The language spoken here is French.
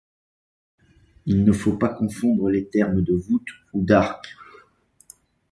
Il ne faut pas confondre les termes de voûte ou d'arc.